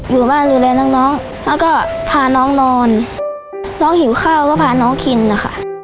อยู่บ้านดูแลน้องน้องแล้วก็พาน้องนอนน้องหิวข้าวก็พาน้องกินนะคะ